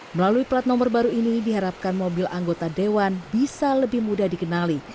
melalui plat nomor baru ini diharapkan mobil anggota dewan bisa lebih mudah dikenali